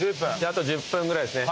あと１０分ぐらいですね。